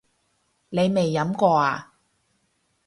你未飲過呀？